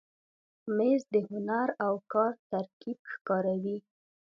مېز د هنر او کار ترکیب ښکاروي.